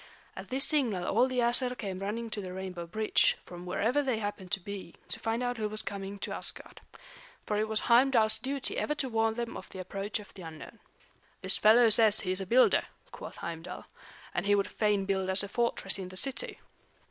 At this signal all the Æsir came running to the rainbow bridge, from wherever they happened to be, to find out who was coming to Asgard. For it was Heimdal's duty ever to warn them of the approach of the unknown. "This fellow says he is a builder," quoth Heimdal. "And he would fain build us a fortress in the city."